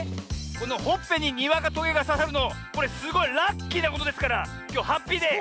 このほっぺににわかとげがささるのこれすごいラッキーなことですからきょうハッピーデー。